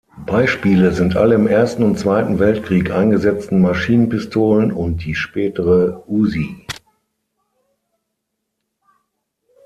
Beispiele sind alle im Ersten und Zweiten Weltkrieg eingesetzten Maschinenpistolen und die spätere Uzi.